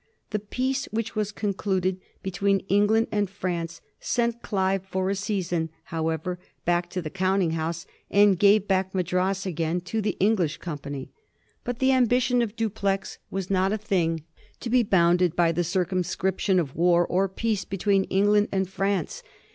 The peace which was concluded between England and France sent Clive for a season, however, back to the counting house, and gave back Madras again to the Eng lish company. But the ambition of Dupleix was not a thing to be bounded by the circumscription of war or peace between England and France.